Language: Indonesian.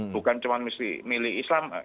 bukan cuma milik islam